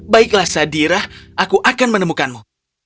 baiklah sadirah aku akan menemukanmu